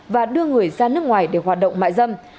và đưa người ra nước ngoài để hoạt động mại dâm